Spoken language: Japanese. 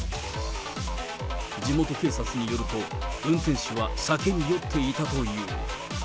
地元警察によると、運転手は酒に酔っていたという。